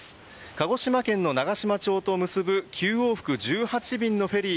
鹿児島県の長島町と結ぶ９往復１８便のフェリー